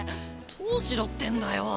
どうしろってんだよ。